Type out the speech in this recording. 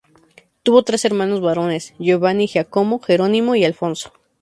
Tuvo tres hermanos varones, Giovanni Giacomo, Geronimo y Alfonso.